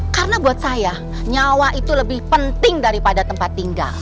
karena buat saya nyawa itu lebih penting daripada tempat tinggal